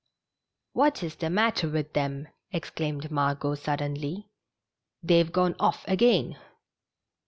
"What is the matter with them ?" exclaimed Margot^ suddenly. " They've gone off again."